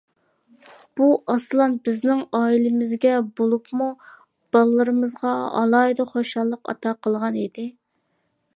بۇ ئاسلان بىزنىڭ ئائىلىمىزگە بولۇپمۇ بالىلىرىمىزغا ئالاھىدە خۇشاللىق ئاتا قىلغان ئىدى.